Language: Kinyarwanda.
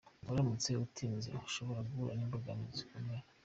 Uramutse utinze ushobora guhura n’imbogamizi zikomeye.